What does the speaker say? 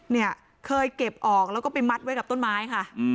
เนี่ยเคยเก็บออกแล้วก็ไปมัดไว้กับต้นไม้ค่ะ